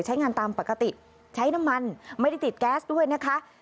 ใช้งานตามปกติใช้น้ำมันไม่ได้ติดแก๊สด้วยนะคะ